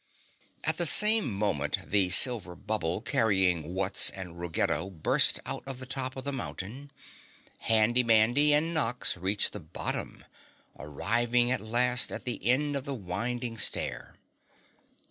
At the same moment the silver bubble carrying Wutz and Ruggedo burst out of the top of the mountain, Handy Mandy and Nox reached the bottom, arriving at last at the end of the winding stair.